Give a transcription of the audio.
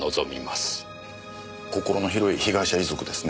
心の広い被害者遺族ですね。